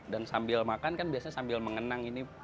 dan sambil makan kan biasanya sambil mengenang ini